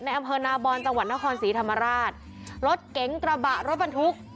อำเภอนาบอนจังหวัดนครศรีธรรมราชรถเก๋งกระบะรถบรรทุก